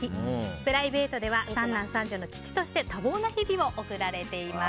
プライベートでは３男３女の父として多忙な日々を送られています。